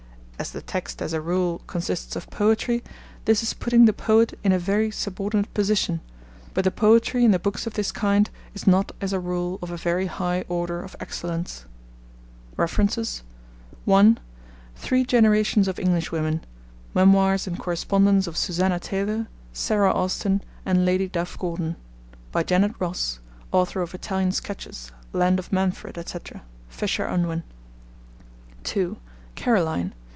As the text, as a rule, consists of poetry, this is putting the poet in a very subordinate position; but the poetry in the books of this kind is not, as a rule, of a very high order of excellence. (1) Three Generations of English Women. Memoirs and Correspondence of Susannah Taylor, Sarah Austin, and Lady Duff Gordon. By Janet Ross, Author of Italian Sketches, Land of Manfred, etc. (Fisher Unwin.) (2) Caroline.